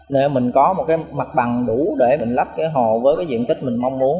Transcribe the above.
để mình có một cái mặt bằng đủ để mình lắp cái hồ với cái diện tích mình mong muốn